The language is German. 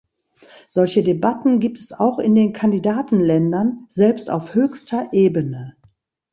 Solche Debatten gibt es auch in den Kandidatenländern, selbst auf höchster Ebene.